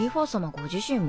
ご自身も？